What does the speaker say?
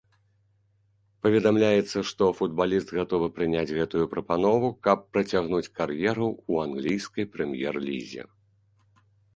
Паведамляецца, што футбаліст гатовы прыняць гэтую прапанову, каб працягнуць кар'еру ў англійскай прэм'ер-лізе.